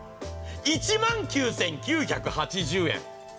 １万９９８０円。